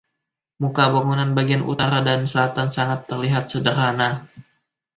Muka bangunan bagian utara dan selatan sangat terlihat sederhana.